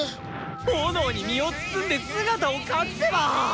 炎に身を包んで姿を隠せば！